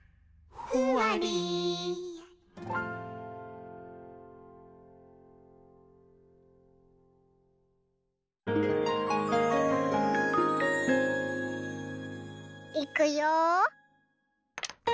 「ふわり」いくよ。